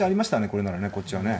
これならねこっちはね。